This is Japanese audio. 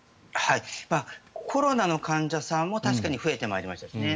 コロナの患者さんも確かに増えてまいりましたよね。